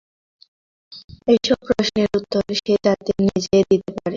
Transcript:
এসব প্রশ্নের উত্তর সে যাতে নিজে দিতে পারে।